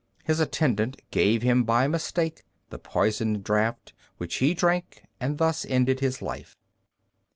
His attendant gave him by mistake the poisoned draught, which he drank, and thus ended his life.